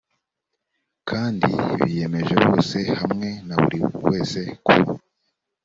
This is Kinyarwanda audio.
kandi biyemeje bose hamwe na buri wese ku